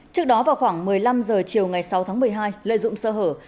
trước đó vào khoảng một mươi năm h chiều ngày sáu tháng một mươi hai lợi dụng sơ hở